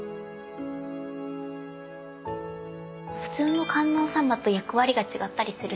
普通の観音様と役割が違ったりするんですか？